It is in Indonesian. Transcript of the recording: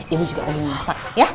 ibu juga lagi masak